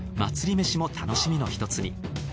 めしも楽しみの一つに。